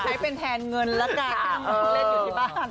ใครเป็นแทนเงินสุดหละ